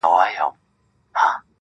مجموعه ده د روحونو په رگو کي